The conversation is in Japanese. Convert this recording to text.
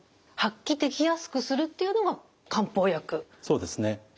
そうですね。